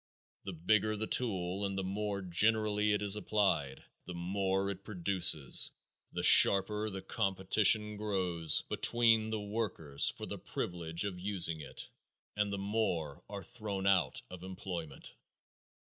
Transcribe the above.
The bigger the tool and the more generally it is applied, the more it produces, the sharper competition grows between the workers for the privilege of using it and the more are thrown out of employment.